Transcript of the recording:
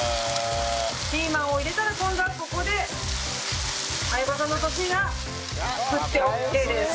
ピーマンを入れたら今度はここで相葉さんの得意な振ってオッケーです。